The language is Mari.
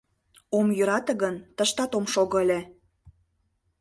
Ом йӧрате гын, тыштат ом шого ыле...